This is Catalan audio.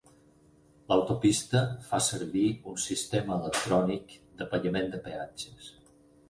L'autopista fa servir un sistema electrònic de pagament de peatges.